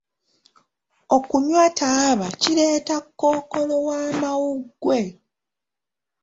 Okunywa taaba kireeta Kkookolo w'amawuggwe.